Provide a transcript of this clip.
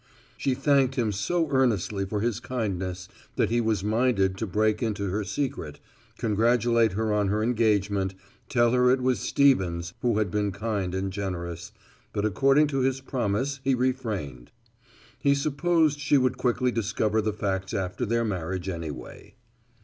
She thanked him so earnestly for his kindness that he was minded to break into her secret, congratulate her on her engagement, tell her it was Stevens who had been kind and generous, but according to his promise he refrained. He supposed she would quickly discover the facts after their marriage anyway.